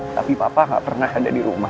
tapi papa gak pernah ada dirumah